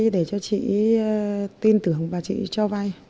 để cho chị tin tưởng và chị cho vai